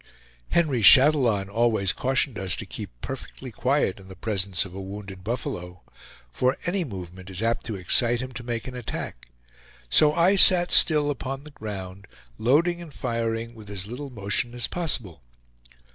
Henry Chatillon always cautioned us to keep perfectly quiet in the presence of a wounded buffalo, for any movement is apt to excite him to make an attack; so I sat still upon the ground, loading and firing with as little motion as possible.